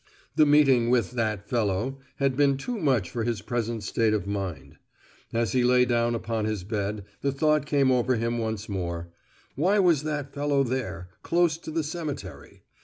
The meeting with "that fellow" had been too much for his present state of mind. As he lay down upon his bed the thought came over him once more: "Why was that fellow there, close to the cemetery?"